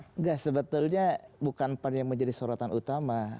enggak sebetulnya bukan pan yang menjadi sorotan utama